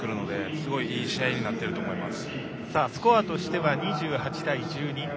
すごい、いい試合になっていると思います。